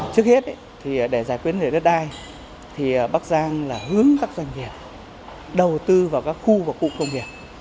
trước hết để giải quyết đất đai bắc giang hướng các doanh nghiệp đầu tư vào các khu và khu công nghiệp